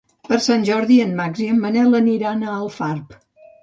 Per Sant Jordi en Max i en Manel aniran a Alfarb.